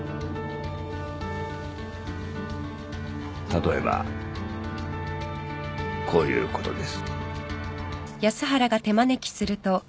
例えばこういうことです。